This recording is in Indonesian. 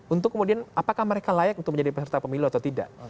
untuk kemudian apakah mereka layak untuk menjadi peserta pemilu atau tidak